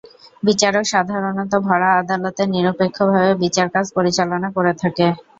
বিচারক সাধারণত ভরা আদালতে নিরপেক্ষভাবে বিচার কাজ পরিচালনা করে থাকে।